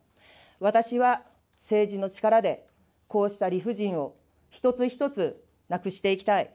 私は政治の力で、こうした理不尽を一つ一つなくしていきたい。